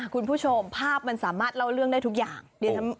คุณผู้ชมภาพมันสามารถเล่าเรื่องได้ทุกอย่าง